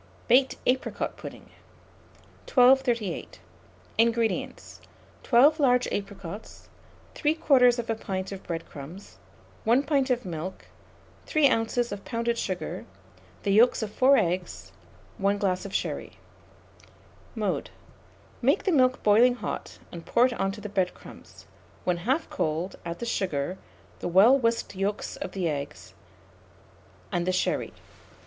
BAKED APRICOT PUDDING. 1238. INGREDIENTS. 12 large apricots, 3/4 pint of bread crumbs, 1 pint of milk, 3 oz. of pounded sugar, the yolks of 4 eggs, 1 glass of sherry. Mode. Make the milk boiling hot, and pour it on to the bread crumbs; when half cold, add the sugar, the well whisked yolks of the eggs, and the sherry.